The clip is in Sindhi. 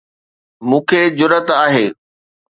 مون کي جرئت آهي.